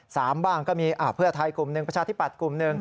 บ้างก็มีเพื่อไทยกลุ่มหนึ่งประชาธิปัตย์กลุ่มหนึ่ง